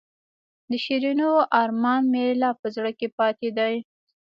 د شیرینو ارمان مې لا په زړه کې پاتې دی.